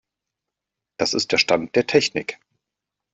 Das ist der Stand der Technik.